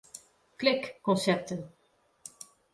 Klik Konsepten.